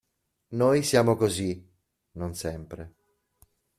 Noi siamo così (non sempre)!